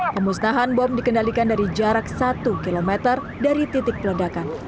pemusnahan bom dikendalikan dari jarak satu km dari titik peledakan